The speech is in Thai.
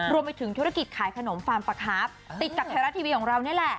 รวมไปถึงธุรกิจขายขนมฟาร์มปลาครับติดกับไทยรัฐทีวีของเรานี่แหละ